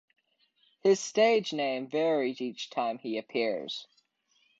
His stage name varies each time he appears.